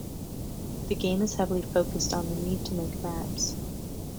The game is heavily focused on the need to make maps.